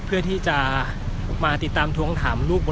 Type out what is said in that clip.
เพื่อที่จะมาติดตามทวงถามลูก